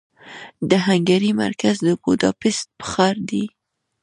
د هنګري مرکز د بوداپست ښار دې.